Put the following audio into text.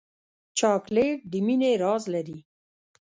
چاکلېټ د مینې راز لري.